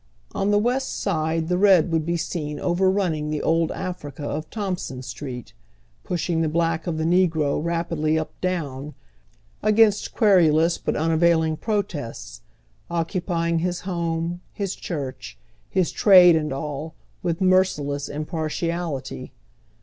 On the West Side the red would be seen oven'unning the old Africa of Thomp son Street, pushing the black of the negi o rapidly up town, against querulous but unavailing protests, occupying his home, his churcli, his trade and all, with merciless impartiality.